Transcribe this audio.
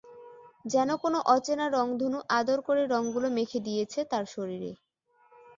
যেন কোনো অচেনা রংধনু আদর করে রঙগুলো মেখে দিয়েছে তার শরীরে।